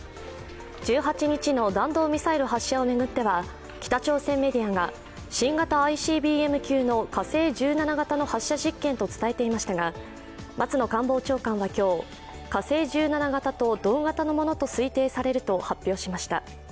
１８日の弾道ミサイル発射を巡っては北朝鮮メディアが新型ＩＣＢＭ級の火星１７型の発射実験と伝えていましたが松野官房長官は今日、火星１７型と同型のものと推定されると発表しました。